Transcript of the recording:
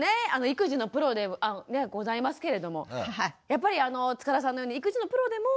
育児のプロでございますけれどもやっぱり塚田さんのように育児のプロでも迷うんですね？